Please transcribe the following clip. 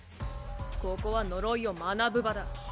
ここは呪いを学ぶ場だ。